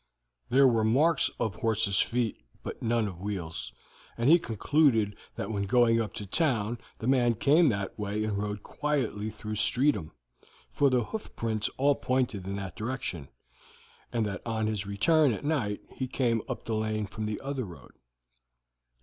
There were marks of horses' feet, but none of wheels, and he concluded that when going up to town the man came that way and rode quietly through Streatham, for the hoof prints all pointed in that direction, and that on his return at night he came up the lane from the other road.